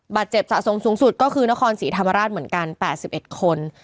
บาดเจ็บสะสมสูงสุดก็คือนครศรีธรรมราชเหมือนกัน๘๑คน